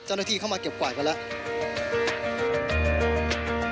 เจ้าหน้าที่เข้ามาเก็บกวาดกันแล้ว